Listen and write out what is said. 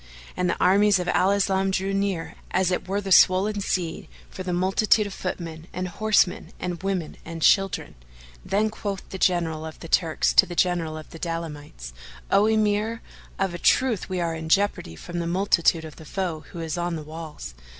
And the armies of Al Islam drew near, as it were the swollen sea, for the multitude of footmen and horsemen and women and children. Then quoth the General of the Turks to the General of the Daylamites, "O Emir, of a truth, we are in jeopardy from the multitude of the foe who is on the walls.